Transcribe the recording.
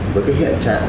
với cái hiện trạng